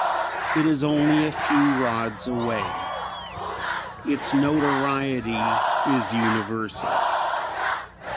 It is only a few rods away. Its notoriety is universal.